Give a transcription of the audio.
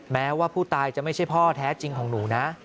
แม้ว่าผู้ตายจะไม่ใช่พ่อแท้จริงของหนูนะ